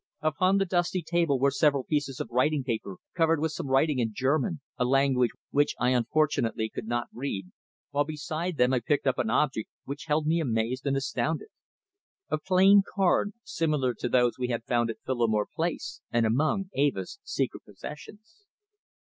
Upon the dusty table were several pieces of writing paper covered with some writing in German, a language which I unfortunately could not read, while beside them I picked up an object which held me amazed and astounded a plain card similar to those we had found at Phillimore Place and among Eva's secret possessions.